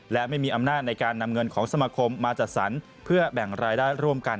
และไม่มีอำนาจในการนำเงินของสมาคมมาจัดสรรเพื่อแบ่งรายได้ร่วมกัน